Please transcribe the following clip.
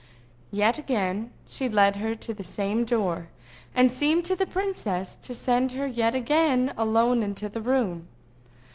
Yet again she led her to the same door, and seemed to the princess to send her yet again alone into the room.